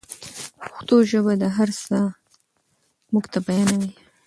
پښتو ژبه دا هر څه موږ ته بیانوي.